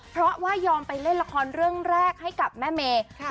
เพราะว่ายอมไปเล่นละครเรื่องแรกให้กับแม่เมย์